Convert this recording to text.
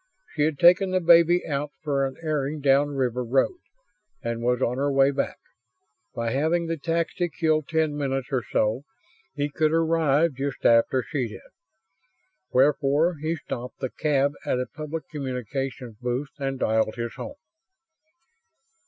She had taken the baby out for an airing down River Road, and was on her way back. By having the taxi kill ten minutes or so he could arrive just after she did. Wherefore he stopped the cab at a public communications booth and dialed his home.